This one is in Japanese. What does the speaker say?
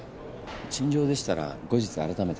陳情でしたら後日改めて。